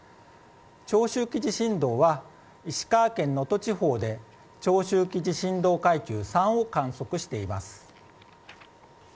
長周期地震動は石川県能登地方で長周期地震動階級３を観測しています。